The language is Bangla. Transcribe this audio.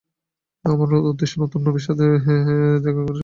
আমার উদ্দেশ্য নতুন নবীর সাথে সাক্ষাৎ করা এবং তাঁর কিছু কথা শোনা।